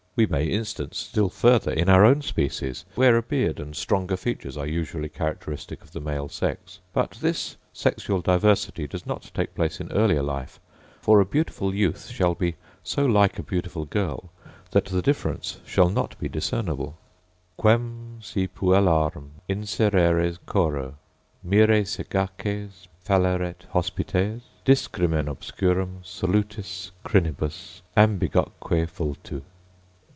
We may instance still farther in our own species, where a beard and stronger features are usually characteristic of the male sex: but this sexual diversity does not take place in earlier life; for a beautiful youth shall be so like a beautiful girl that the difference shall not be discernible: Quem si puellarum insereres choro, Mire sagaces falleret hospites Discrimen obscurum, solutis Crinibus, ambiguoque vultu.